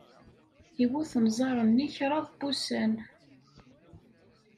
Iwet unẓar-nni kraḍ n wussan.